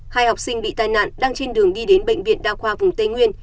hai học sinh bị tai nạn đang trên đường đi đến bệnh viện đa khoa vùng tây nguyên